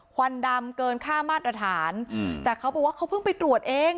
ควันดำเกินค่ามาตรฐานอืมแต่เขาบอกว่าเขาเพิ่งไปตรวจเอง